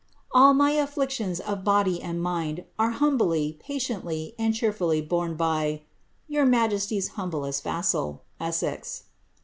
All my afflictions of body or mind are humbly, patiently, and cheerfully faoffne by Your mi^oBty's humblest vassal, Essex."